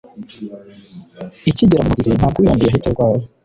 ikigera mu mubiri, ntabwo uyanduye ahita arwara